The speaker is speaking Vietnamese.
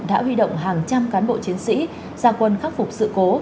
đã huy động hàng trăm cán bộ chiến sĩ gia quân khắc phục sự cố